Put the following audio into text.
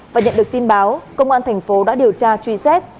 và nhận được tin báo công an thành phố đã điều tra truy xét